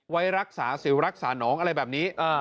ไว้รักษาสิวรักษาน้องอะไรแบบนี้